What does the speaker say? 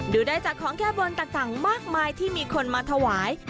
ดูได้จากของแก้บนต่างมากมายที่มีคนมาถวาย